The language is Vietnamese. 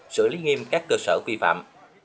xử lý nghiêm các cơ sở vi phạm